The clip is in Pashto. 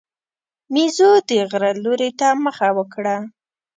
مېزو د غره لوري ته مخه وکړه.